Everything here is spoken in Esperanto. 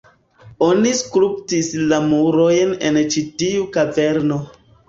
Oni skulptis la murojn en ĉi tiu kaverno